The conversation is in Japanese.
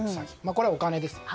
これはお金ですね。